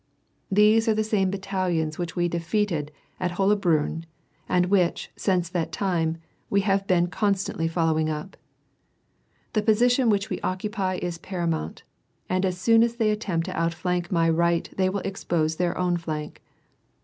These are the same battalions which we ^^c^^ated at Hollabriinn, and which, since that time, we have been con >^Uy following up. The position which we occupy is paramount, and as soon as they *^^cmpt to outflank my right they will expose their own flank.